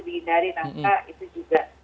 dihindari nangka itu juga